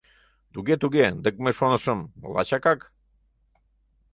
— Туге-туге, дык мый шонышым: лачакак...